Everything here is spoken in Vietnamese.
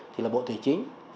thì là bộ thế chính